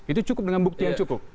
itu cukup dengan bukti yang cukup